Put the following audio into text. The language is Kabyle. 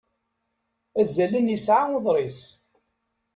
Azalen yesɛa uḍris.